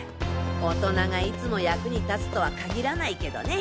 大人がいつも役に立つとは限らないけどね。